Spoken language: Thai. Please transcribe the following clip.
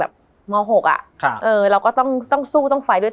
มันทำให้ชีวิตผู้มันไปไม่รอด